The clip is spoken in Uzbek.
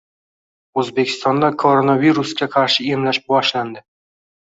O‘zbekistonda koronavirusga qarshi emlash boshlandi.